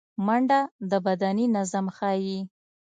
منډه د بدني نظم ښيي